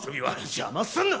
邪魔すんな！